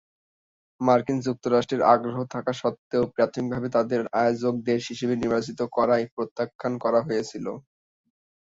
মার্কিন যুক্তরাষ্ট্রের আগ্রহ থাকা সত্ত্বেও প্রাথমিকভাবে তাদের আয়োজক দেশ হিসেবে নির্বাচিত করায় প্রত্যাখ্যান করা হয়েছিল।